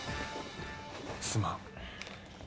すまん。